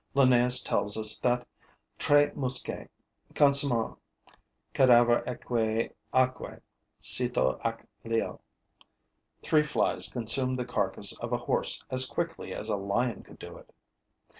Linnaeus tells us that 'Tres muscae consumunt cadaver equi aeque cito ac leo.' [Three flies consume the carcass of a horse as quickly as a lion could do it.